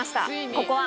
ここは。